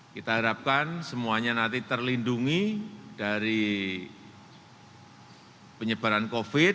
kita harapkan semuanya nanti terlindungi dari penyebaran covid